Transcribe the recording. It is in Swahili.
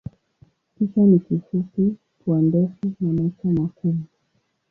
Kichwa ni kifupi, pua ndefu na macho makubwa.